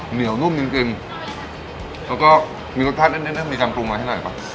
เหนียวนุ่มจริงจริงแล้วก็มีรสชาตินิดนึงมีการปรุงอะไรให้ด้วยหรือเปล่า